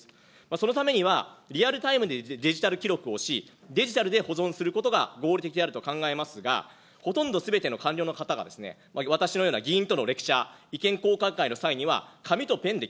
そのためには、リアルタイムでデジタル記録をし、デジタルで保存することが合理的であると考えますが、ほとんどすべての官僚の方が、私のような議員とのレクチャー、意見交換会の際には、紙とペンで